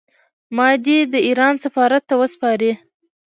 ما دې د ایران سفارت ته وسپاري.